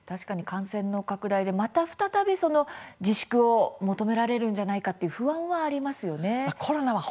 感染の拡大で再び自粛を求められるんじゃないかという不安はありますよね。